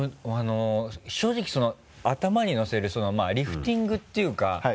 正直頭にのせるリフティングっていうか。